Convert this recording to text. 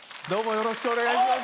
よろしくお願いします。